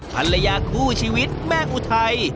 ภรรยาคู่ชีวิตแม่อุทัย